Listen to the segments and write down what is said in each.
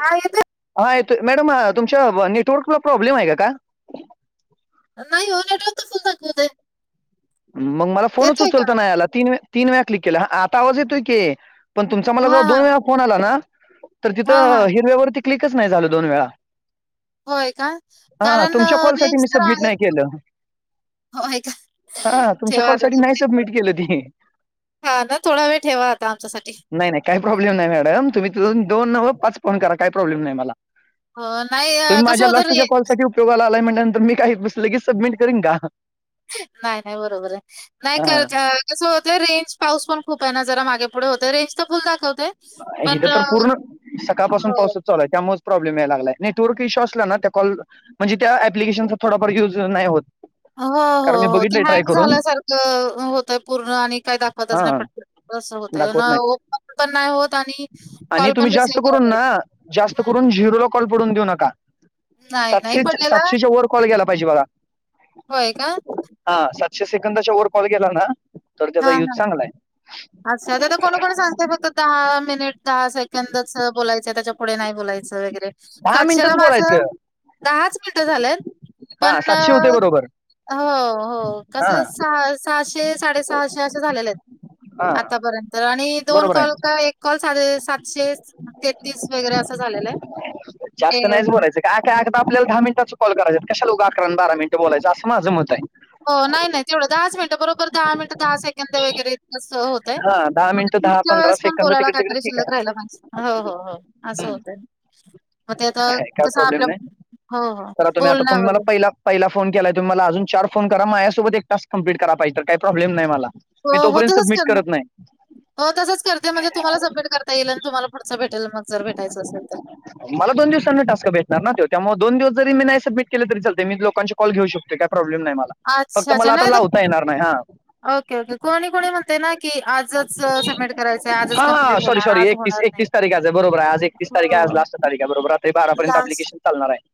हा येतोय. हा येतोय मॅडम तुमच्या नेटवर्कला प्रॉब्लेम आहे का? नाही [inaudible] मग मला फोनच येतोय का? उचलता नाही आला, तीन -तीन वेळा क्लिक केला आता आवाज येतोय की. पण तुमचा मला जवा हां, दोन हां. वेळा फोन आला ना, तर हां, तिथं हां. हिरव्या वरती क्लिकच नाही झालं दोन वेळा. होय का हा कारण तुमच्या कॉलसाठी रेंज मी तर सबमिट आहे नाही केलं होय का? [inaudible] हा तुमच्या कॉलसाठी नाही सबमिट केलं ती हा थोडा वेळ ठेवा आता आमच्यासाठी. नाही नाही काही प्रॉब्लेम नाही मॅडम तुम्ही तो दोन नव्ह पाच फोन करा काही प्रॉब्लेम नाही मला. हो, नाही अ, तुम्ही कसं माझ्या होतं रे लास्टच्या कॉल साठी उपयोगाला आलाय मी काही लगीच सबमिट करीन का? नाही नाही बरोबर आहे, नाही हा [unintelligible] कसं होतय रेंज पाऊस पण खूप आहे ना जरा मागे पुढे होतय रेंज तर फुल दाखवतेय. येथे तर पुर्ण सकाळ पासून पाऊस हो. चालू हाय. त्यामुळे प्रॉब्लेम यायलागलाय नेटवर्क इशू असला ना त्या कॉल म्हणजे त्या एप्लीकेशन चा थोडाफार युज नाही होत. हो, कारण हो, हो ते बघितलंय ट्राय हँग करून झाल्यासारखं होतय पूर्ण आणि काय दाखवतच हा नाही पण. कस होत आहे दाखवत ना नाही ओपन पण नाही होत आणि आणि कॉल पण तुम्ही जास्त रिसीव्ह करता येत करून ना, जास्त करून झिरोला कॉल पडून देऊ नका. नाही, नाही सातशे पडलेला? सातशेच्या वर कॉल गेला पाहिजे बघा. होय का. हा सातशे सेकंदाच्या वर कॉल गेला ना तर त्याचा हां, युज हां. चांगलाय. अच्छा! तर आता कोणी कोणी सांगतय फक्त दहा मिनिट दहा सेकंदच बोलायचंय त्याच्या पुढे नाही बोलायचं वगैरे. दहा सातशेला मिनिटच माझ बोलायचं दहाच मिनीट झालंयत पण हा सातशे होते बरोबर हो हो हा कसं सहा -सहाशे साडेसहाशे अस झालेले आहेत. हा आतापर्यंत आणि दोन बरोबर कॉल आहे का एक कॉल साडे सातशे तेहतीस वगैरे असं झालेलं आहे. जास्त ते नाहीच बोलायचं का एकदा आपल्याला दहा मिनटाच कॉल करायचं कशाला उगाच अकरा बारा मिनिट बोलायचं अस माझं मत आहे. हो नाही नाही तेवढं दहाच मिनिटं, बरोबर दहा मिनटं दहा सेकंड वगैरे इतकसं होतय. हा दहा मग मिनिटं दहा पुढच्या पंधरा वेळेस पण सेकंद बोलायला तिकडे तिकडे काहीतरी ठीक आहे शिल्लक राहायला हो हो हो असं होतय. मग ते आता आहे, काय कस प्रॉब्लेम आपलं, नाही हो हो तर तुम्ही आता तुम्ही बोलण्यावर मला वैगैरे. पहिला पहिला फोन केलाय तुम्ही मला अजून चार फोन करा माझ्यासोबत एक टास्क कम्प्लीट करा काही प्रॉब्लेम नाही मला. मी हो हो तोपर्यंत तसंच सबमिट कर ना, करत नाही हो तसंच करते म्हणजे तुम्हांला सबमिट करता येईल आणि तुम्हांला पुढचं भेटेल मग जर भेटायचं असेल तर. मला दोन दिवसांना टास्क भेटणार ना तो, त्यामुळे दोन दिवस जरी मी नाही सबमिट केले तरी चालते मी लोकां कॉल घेऊ शकतोय काय प्रॉब्लेम नाही मला फक्त अच्छा, अच्छा. मला, आता नाही तर लावता येणार नाही हा. ओके, ओके कोणी, कोणी म्हणते ना की आजच सबमिट करायचंय आजच कम्प्लीट होणार, आज होणार नाही. तीस तारीख आहे बरोबर आहे. आज एकतीस तारीख आज हो. लास्ट तारीख हाय बरोबर. रात्री बारापर्यंत लास्ट अप्लिकेशन चालणार आहे.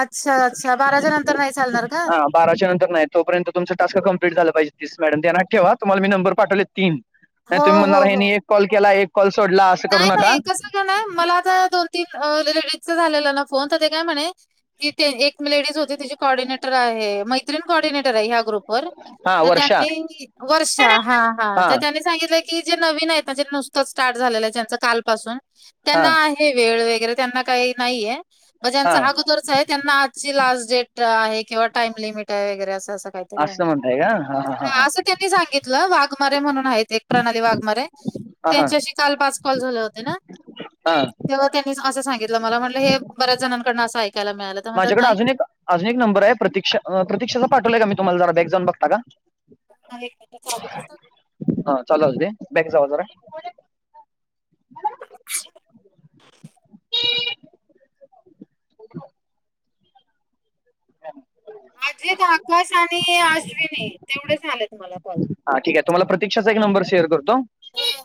अच्छा, अच्छा. नंतर नाही चालणार का? हा बाराच्या नंतर नाही तोपर्यंत तुमचं टास्क कप्लीट झाले पाहिजे तीस मॅडम ध्यानात ठेवा तुम्हांला मी नंबर पाठवलेत तीन नाही हो, तुम्ही हो, म्हणणार हो. ह्यांनी एक कॉल केला एक कॉल सोडला असं करू नाही, नका. कसं नाही मला आता दोन तीन लेडीजचा झालेला ना फोन तर ते काय म्हणे ती एक लेडीज होती तिची कॉर्डिनेटर आहे मै त्रीण कॉर्डिंनेटर आहे ह्या ग्रुप वर. हा वर्षा त्यांनी वर्षा हा हा सांगितला आहे की जे नवीन आहेत ज्याचं नुस्तच स्टार्ट झालय कालपासून हा त्याना वेळ वगैरे त्यांना काही नाहीये, म्हणजे हा ज्याचं आहे त्यांना आजची लास्ट डेट आहे किंवा टाईम लिमिट आहे वगैरे असं काही तरी आहे. हा असं त्यांनी सांग वाघमारे म्हणून आहेत. एक प्रणाली वाघमारे हा हा त्यांच्याशी काल पाच कॉल झाले होते ना? हा तेव्हा त्यांनी असं सांगितलं मला. मला म्हटलं हे बऱ्याच जणांकडनं असं ऐकायला मिळालं. तर म्हणतात माझ्याकडे नाही अजून एक, अजून एक नंबर आहे प्रतीक्षा प्रतीक्षां पाठवलंलाय का मी तुम्हाला जरा बॅक जाऊन बघता का. आहे की [unintelligible] हा चालु असूदे, बॅक जावा जरा. [inaudible] अजित, आकाश आणि अश्विनी तेवढे झाले त मला कॉल. हा ठीक आहे, तुम्हाला एक प्रतीक्षाचा एक नंबर शेअर करतो. हे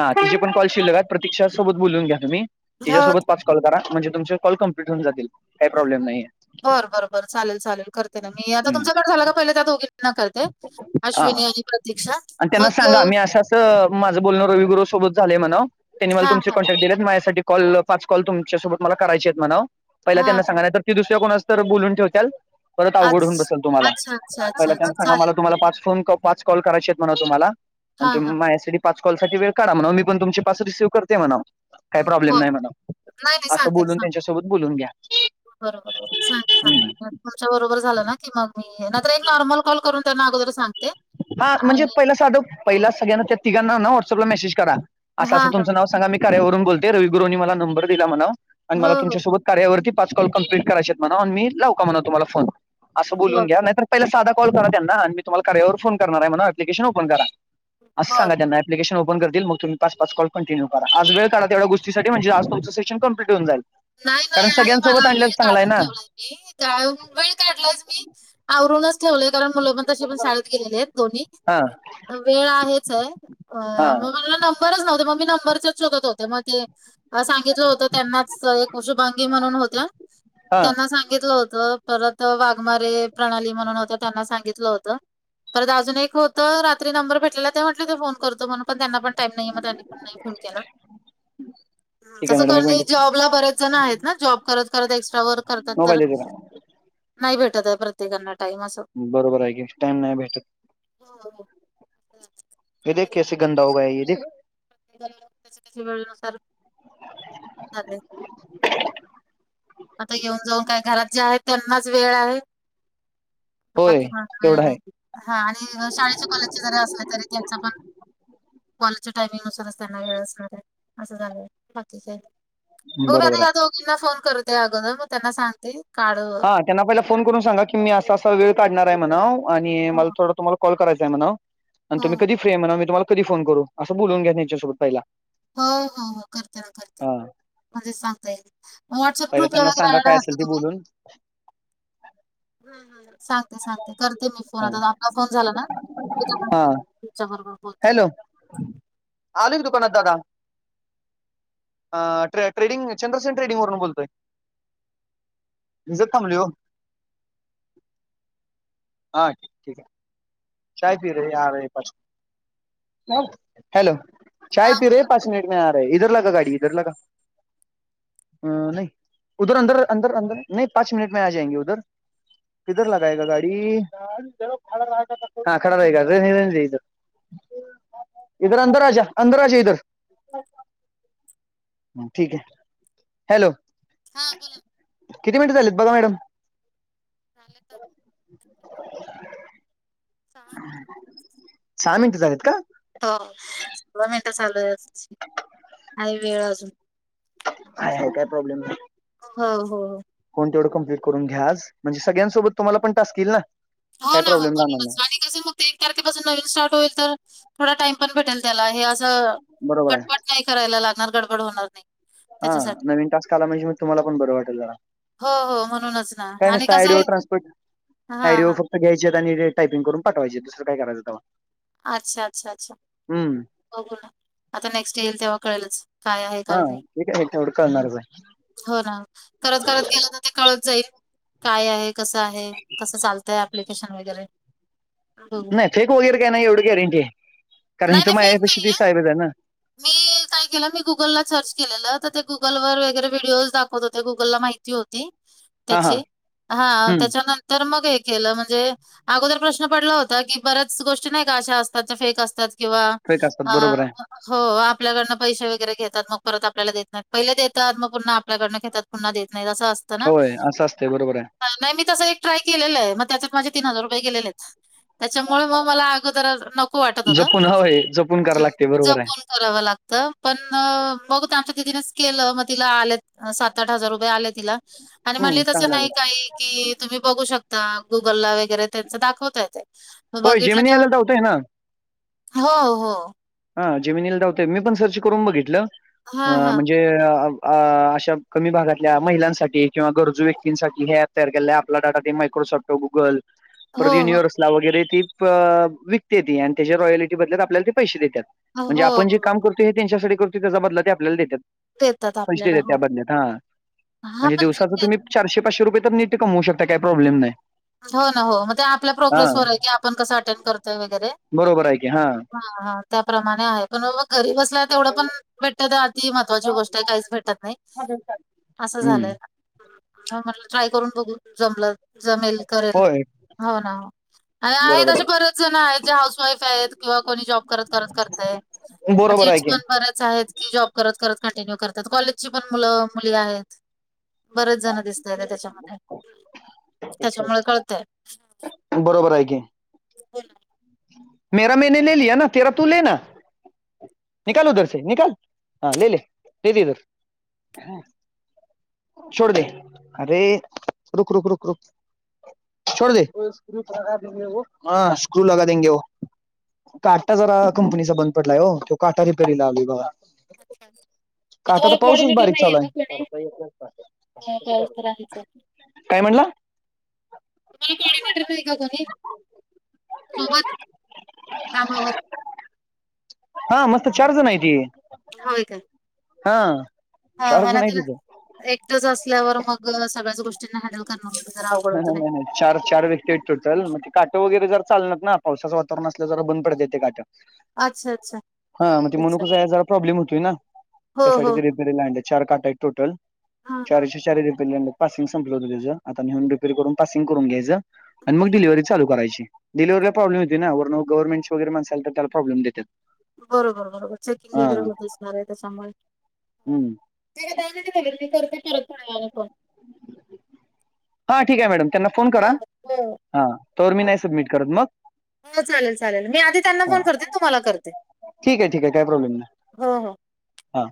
हा जे पण कॉल शिल्लक आहेत प्रतीक्षासोबत बोलून घ्या तुम्ही हो तिच्यासोबत पाच काॅल करा म्हणजे तुमचे कॉल कमप्लीट होऊन जातील. काही प्रॉब्लेम नाही बर बरं बर चालेल चालेल करते ना मी आता हम्म. तुमच्या कट झााला का, पहिले त्या दोघी हा अश्विनी आणि प्रति आणि त्यांना सांगा मी असं त असं माझं बोलण रविगुरू सोबत झाले म्हणावं त्यांनी मला हा तुमचे हा कॉन्टॅक्ट दिलेत माझ्यासाठी कॉल, पाच कॉल तुमच्यासोबत मला करायचे आहेत म्हणाव. पहिला हा त्यांना हा सांगा नाहीतर की दुसऱ्या कोणा तर बोलून ठेवत्याल, परत अवघड आज होऊन बसेल तुम्हाला. अच्छा अच्छा अच्छा अच्छा सांगा मला चालेल तुम्हाला पाच फोन पाच कॉल करायचे आहेत म्हणाव तुम्हाला हा हा तुम्ही माझ्यासाठी पाच कॉल साठी वेळ काढा म्हणावं मी पण तुम पाच रिसिव करते म्हणावं. काही प्रॉब्लेम बर नाही म्हणावं नाही असं बोलून त्यांच्यासोबत बोलून घ्या. बर बर, सांग सांगते च्या बरोबर झाला ना की मग मी, नाही तर एक नॉर्मल कॉल करून त्यांना अगोदर सांग. हा म्हणजे पहिला साधव पहिला सगळ्यांना त्या तिघांना नाव ना व्हॉट्सअपला मेसेज करा हां, असं, असं हां. तुमचं नाव सांगा मी कार्यावरून बोलते रविगुरंनी मला नंबर दिला म्हणाव आणि हो, मला हो, तुमच्यासोबत कार्या वरती पाच कॉल कमप्लीट करायचेत म्हणाव आणि मी लाव का म्हणा तुम्हाला फोन?, असं बोलून हो. घ्या नाही तर पहिला साधा कॉल करा त्यांना आणि मी तुम्हाला कार्यावर फोन करणार आहे म्हणा ऍप्लिकेशन ओपन करा असं बरं, सांगा बरं. त्यांना ऍप्लिकेशन ओपन करतील मग तम्ही पाच पाच कॉल कंटिन्यु करा आज वेळ काढा तेवढ्या गोष्टी साठी म्हणजेज तुमचं सेशन कम्लिट होऊन जाईल नाही कारण नाही आहे मला सगळ्यांसोबत वेळ आणलेलं चांगलं आहे काढून ना ठेवलाय काय वेळ काढलायच मी आवरूनच ठेवलं कारण मुलं पण तशी पण शाळेत गेलेली आहेत दोन्ही हा वेळ आहेचे हा मग मला नंबरच नव्हते मग मी नंबरचेच शोधत होते मग ते सांगितलं होत त्यांनाच एक शुभांगी म्हणून होत्या हा त्यांना सांगितलं होत परत वाघमारे प्रणाली म्हणून होत्या त्यांना सांगितलं होतं परत अजून एक होतं रात्री नंबर भेटलेला ते म्हटले ते फोन करतो म्हणून पण त्यांना पण टाईम नाही म्हणाले मग त्यांनी नाही फोन केला ठीक आहे तसं मॅडम कॉल एक मी मिनिट जॉबला बरेच जण आहेत ना जॉब करत करत एक्स्ट्रा वर्क करतात मोबाईल तर देते का नाही भेटत आहे प्रत्येकांना टाईम असं बरोबर आहे की टाइम नाही भेटत हो हो हम्म ये देख कसे गंदा होगा ये देख तिच्या तिच्या वेळे नुसार [inaudible] आता येऊन जाऊन काय घरात जे त्यांनाच वेळ आहे होय बाकी म वेळ तेवढा नाही आहे हा आणि शाळेचे कॉलेजचे जरी असले तरी त्यांचा पण कॉलेजच्या टाइमिंग नुसारच त्यांना वेळ असणार आहे असं झालंय बाकी नाही उद्या बरोबर या आहे दोघींना फोन करते अगोदर मग त्यांना सांगते काढ हा त्यांना पहिला फोन करून सांगा की मी असा अस वेळ काढणार आहे म्हणा आणि मला थोडा तुम्हाला कॉल करायचां आहे म्हणाव आणि हो तुम्ही कधी फ्री म्हणाव मी तुम्हाला कधी करू असं बोलून घ्या त्यांच्यासोबत पहिला हो हो हो करते ना करते हा म्हणजे सांगता येईल मग व्हॉट्सअप पहिला ग्रुप त्यांना वगैरे सांगा ॲड काय आहात असेल का ते तुम्ही बोलून हां हां हा सांगते सांगते करते मी फोन हा. आता आपला फोन झाला ना हा तिच्याबरोबर तिच्याबरोबर हॅलो आलोय की दुकानात दादा अ ट्रेडिंग ट्रेडिंग चंद्रसेन ट्रेडिंग वरून बोलतोय भिजत थांबलोय हो हां ठिक हाय चाय पी रहे आ रहे पाच मिनट हॅलो चाय हां, पी बोला. रहे पाच मिनट आ रहे इधर लगा गाडी इधर लगा अ नही उधर अंदर अंदर अंदर नही पाच मिनट मे आ जायंगे उधर किधर लगायेगा गाडी हा खडा रहेगा रहने रहणे दे इधर इधर अंदर आ जा अंदर आ जा इधर ठीक हॅलो हां बोला. किती मिनटं झालेत बघा मॅडम झाले तर सहा सहा मिनटं झालेत का हो सोळा मिनटं चालूयच हाय वेळ अजून हाय हाय काय प्रॉब्लेम नाही हो हो हो फोन तेवढं कंप्लीट करून घ्या आज म्हणजे सगळ्यांसोबत तुम्हाला पण टास्क येईल ना हो काय ना हो प्रॉब्लेम राहणार म्हणूनच नाही आणि तसं मग ते एक तारखेपासून नवीन स्टार्ट होईल तर थोडं टाईम पण भेटंल त्याला हे असं बरोबर तरं आहे पटांपट नाहीं करांयला लागणारं गडबंड होणारं नाहीं हां नवीन टास्कं आंला म्हणजे मंग तुम्हांला पणं बरं वाटलं जरां हो हो म्हणूंनचं नां आणि कसं हांय ट्रान्सपोर्ट हां आयडिओ हां फक्त घ्यायचे आणि टायपिंग करूंन पाठवांयचे दुसरंय करायचं तवां अच्छा अच्छा अच्छा हम्मं आंता नेक्स्ट येईल तेव्हां कळेलचं हां ते कायं तेव्हढं कळणांरचं हांय हो नां करतं करतं गेलो तरं ते कळतं जाईल कायं आहे कसं आहे कसं चालतंय ऍप्लिकेशन वैगरें नाहीं फेक वगैरें कांहीं नाहीं एवढं गॅरंटी आहे कारणं हिथ माझ्यांपाशी ते साहेबांचं आहे नां मिल्क नाहीं केलं मी गुंगल लां सर्च केलेलं तरं ते गुंगलवरं वगैरें व्हिडिओज दाखवतं होते गुंगललां माहिती होती हम्मं त्यांची हां त्यांच्यानंतर मंग हे केलं म्हणजे अगोदर प्रश्न पडलां होतां की बऱ्यांच गोष्टी नाहीं कां अशां असतांत जे फेक असतांत किंवा फेक असतात आं बरोबर आहे हो आपल्यांकडनं पैसे वगैरें घेतांत मंग परंत आपल्यांला देतं नाहींत पहिले देतांत मंग पुन्हां आपल्याकडनं घेतांत पुन्हां देतं नाहींत असं असतं होयं असं असतयं बरोबर हांय नाहीं मी तसं एक ट्राय केलेलं मंग तेच्यांत माझे तीनं हजांर रुपये गलेलेत त्यांच्यामुळे मंग अगोदरचं मलां नको वाटत होतं. जपूंन व्हयं जपूंन हां. करां लागतयं बरोबर हांय जपून करावं लागतं पणं बघूं त्यांच्या दीदींच केलं मंग तिला आलेत सात आंठ हजांर रुपये आले तिलां आणि म्हणले हम्म तसं चांगलं आहे नाहीं कांहीं कि तुंम्ही बघूं शकतां गुंगल लां वगैरें त्यांच दाखवतांय ते होय बघितलं जेमिनी याला तरं धावतोय हो हो हां जमिनीला दांवता येतं नाहीं मी पणं सर्च करूंन बघितलं हां, हां. म्हणजे अं अं अशां कमी भागांतल्या महिलांसाठी किंवा गरजूं व्यक्तींसाठी हे ऍप तयार केले आहे आपलां डाटां ते मायक्रोसॉफ्ट गुंगल हो, परंत हो. युनिव्हर्सला वगैरें ती प विकत्यांती आणि त्यांच्या रॉयलिटी बदल्यांत आपल्यांला ते पैसे देत्यांत हो, म्हणजे आपणं जे हो. कामं करतो ते त्यांच्यासाठी करतोय त्यांचा बंदला ते आपल्यांला देत्यांत देतात पैसे आपल्याला. देतांत हो. त्यां बद्ल्यांत हां हां, म्हणजे पण ठीक दिवसाचं आहे. तुंम्ही चारशे पाचे रुपये तरं नीटं कमऊं शकतांय कायं प्रॉब्लेम नाहीं हो नां हो मंग ते आपल्या प्रोग्रेस वरं आहे की आपणं कसं अटेंड करतोय वगैरें बरोबर आहे की हां हां हां त्यांप्रमाणे आहे पणं एवढं घरी बसल्यां तेवढं पणं भेटतं तरं अति महत्त्वांची गोष्टं आहे कांहींच भेटतं नाहीं असं हम्म झालंय हं म्हटलं ट्राय करूंन बघूं जमलं जमेल करेल होय हो नां हो आणि आहेतं बरोबर असे बरेचं जणं आहेतं जे हाऊंस वाईफ आहेतं किंवा कोणी जॉब करतं करतं करतंय आहे. बरोबर आहे जेंट्स की पणं बरेचं आहेतं की जॉब करतं करतं कंटिन्यूं करतांत कॉलेजंची पणं मुलं मुली आहेतं बरेचं जणं दिसतंयेतं त्यांच्यामध्ये त्यांच्यामुळे कळतंय बरोबर आहे की बोलां मेरा मैने ले लिया ना तेरा तू ले ना, निकल उधर से निकल हा ले ले भेज इधर, छोड दे अरे रुक रुक रुक रुक, छोड दे हा वो स्क्रू लगा देंगे वो, काटा जरा कंपनीचा बंद पडलाय ओ तो काटा रिपेरिला आलोय बघा. अच्छा मग काटा तुम्हाला तर पाऊसच कॉर्डिनेटर बारीक नाही आहे चालू का कोणी, नाही आहे आधीचा, काय म्हणला तुम्हाला कॉर्डिनेटर नाही का कोणी सोबत, कामावर, हा मस्त चार जण आहेती. होय काय, हा चार जण आहेत तिथ, एकटच असल्यावर मग सगळ्याच गोष्टींना हँडल करण मग जरा आवघड हा, होत हा, नाय. नाही नाही चार चार व्यक्ती आहेत टोटल मग ते काटं वगैरे जरा चालनात ना पावसाचं वातावरण असलं जरा बंद पडत्यात तेे काटं, अच्छा, अच्छा, हा म ते मनुक अच्छा. जाळाय जरा प्रॉब्लेम होतोय ना हो, त्यासाठी हो. दिलेत. रिपेरीला आणलेत चार काट आहेत टोटल हां, हां. चारच्या चार रिपेरीला आणलीत पासिंग संपलं होत त्याच आता नेऊन रिपे, रिपेर करून पासिंग करून घ्यायचं आणि मग डिलीवरी चालू करायची. डीलेवरिला प्रॉब्लेम येतोय ना वरन गव्हर्नमेंटची वगैेरे माणस आली तर त्याला प्रॉब्लेम देत्यात. बरोबर बरोबर चेकिंग वगैरे होत असणार आहे त्याच्यामुळे, हम्म. तयारी मी करते त्याला थोड्या वेळाने फोन, हा ठीक आहे मॅडम. त्यांना फोन करा हो, हो, हा तोवर मी हो. नाही सबमिट करत मग, हो चालेल चालेल मी आधी त्यांना हा फोन करते न तुम्हाला करते ठीक आहे ठीक आहे काय प्रॉब्लेम नाही हो हो, हा,